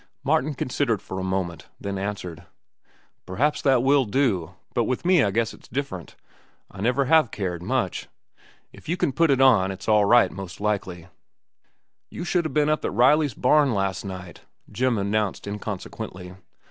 Martin considered for a moment, then answered, "Perhaps that will do, but with me I guess it's different. I never have cared—much. If you can put it on, it's all right, most likely." "You should 'a' ben up at Riley's barn last night," Jim announced inconsequently.